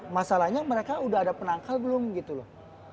masalahnya mereka udah ada penangkal belum gitu loh